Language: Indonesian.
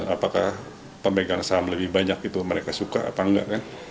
apakah pemegang saham lebih banyak itu mereka suka apa enggak kan